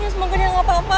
semoga dia gak apa apa